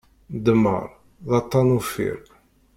Ddemmar, d aṭṭan uffir.